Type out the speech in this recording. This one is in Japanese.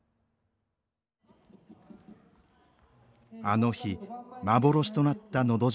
あの日幻となった「のど自慢」。